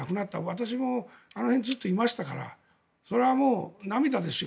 私もあの辺にずっといましたからそれは涙ですよ。